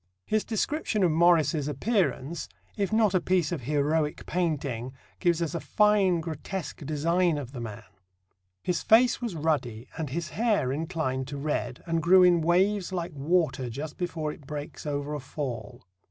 His description of Morris's appearance, if not a piece of heroic painting, gives us a fine grotesque design of the man: His face was ruddy, and his hair inclined to red, and grew in waves like water just before it breaks over a fall.